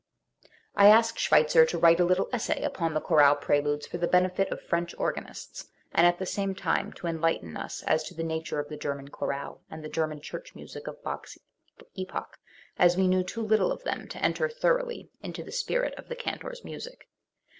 Preface to the German Edition (1908.) IX I asked Schweitzer to write a little essay upon the chorale preludes for the benefit of FrencH organists, and at the same time to enlighten us as to the nature of the German chorale and the German church music of Bach's epoch, as we knew too little of them to enter thoroughly into the spirit of the cantor's music.